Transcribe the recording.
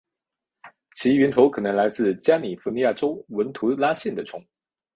其源头可能来自加利福尼亚州文图拉县的葱。